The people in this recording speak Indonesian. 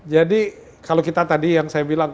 jadi kalau kita tadi yang saya bilang